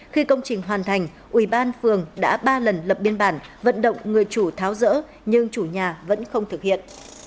khi công trình hoàn thành ủy ban phường đã ba lần lập biên bản vận động người chủ tháo rỡ nhưng chủ nhà vẫn không thực hiện